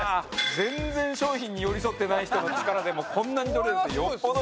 全然商品に寄り添ってない人の力でもこんなに取れるってよっぽどよ。